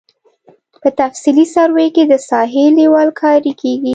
په تفصیلي سروې کې د ساحې لیول کاري کیږي